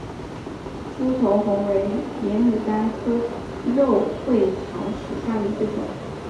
楮头红为野牡丹科肉穗草属下的一个种。